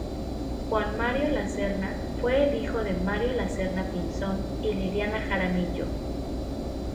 Juan Mario Laserna fue el hijo de Mario Laserna Pinzón y Liliana Jaramillo.